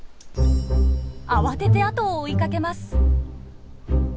慌ててあとを追いかけます。